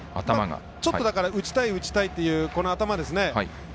ちょっと打ちたい打ちたいというこの頭ですね